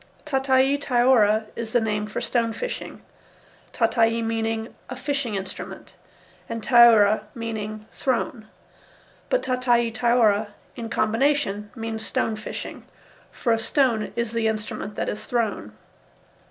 Tautai taora is the name for stone fishing, tautai meaning a "fishing instrument." And taora meaning "thrown." But tautai taora, in combination, means "stone fishing," for a stone is the instrument that is thrown.